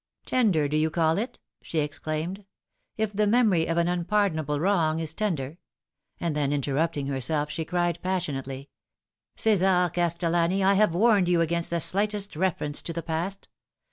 " Tender do you call it ?" she exclaimed. " If the memory of an unpardonable wrong is tender " and then, interrupting herself, she cried passionately, " Ce"sar Castellani, I have warned you against the slightest reference to the past.